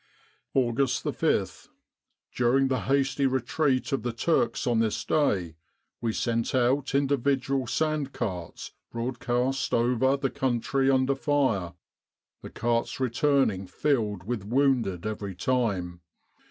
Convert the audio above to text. "August 5th. During the hasty retreat of the Turks on this day, we sent out individual sand carts i 117 With the R.A.M.C. in Egypt broadcast over the country under fire, the carts re turning filled with wounded every time.